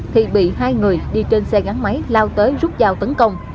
thì bị hai người đi trên xe gắn máy lao tới rút dao tấn công